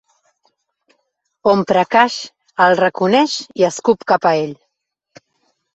Omprakash el reconeix i escup cap a ell.